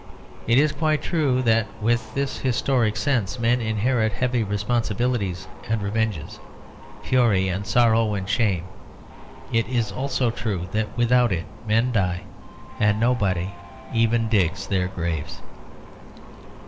It is quite true that with this historic sense men inherit heavy responsibilities and revenges, fury and sorrow and shame. It is also true that without it men die, and nobody even digs their graves.